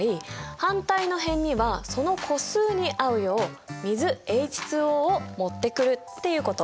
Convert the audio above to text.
反対の辺にはその個数に合うよう水ＨＯを持ってくるっていうこと。